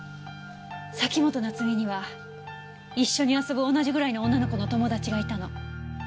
崎本菜津美には一緒に遊ぶ同じぐらいの女の子の友達がいたの。